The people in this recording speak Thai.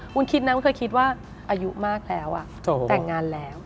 คุณคิดนะวุ้นเคยคิดว่าอายุมากแล้วแต่งงานแล้ว